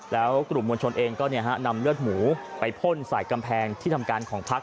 แล้วกลุ่มมวลชนเองก็นำเลือดหมูไปพ่นใส่กำแพงที่ทำการของพัก